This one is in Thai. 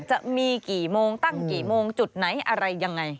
จะมีกี่โมงตั้งกี่โมงจุดไหนอะไรยังไง